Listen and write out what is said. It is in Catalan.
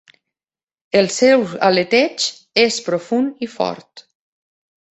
Els seu aleteig és profund i fort.